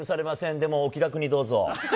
でもお気楽にどうぞ。